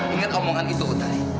ingat omongan itu utari